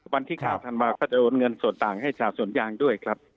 วันที่๙ธันวาก็จะโอนเงินส่วนต่างให้ชาวสวนยางด้วยครับ